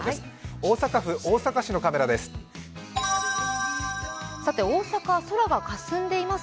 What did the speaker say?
大阪府大阪市のカメラです。